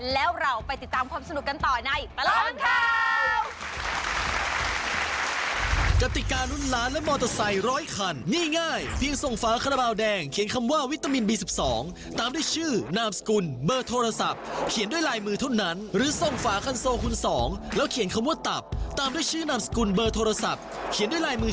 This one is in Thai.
แล้วเราไปติดตามความสนุกกันต่อใน